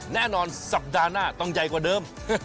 แน่นอนสัปดาห์หน้าต้องใหญ่กว่าเดิม